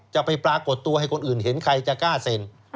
จะไปปรากฏตัวให้คนอื่นเห็นใครจะกล้าเซ็น